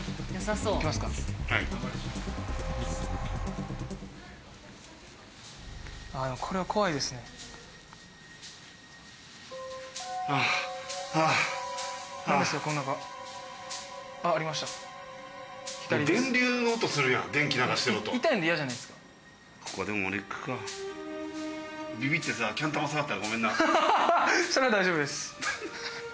それは大丈夫です。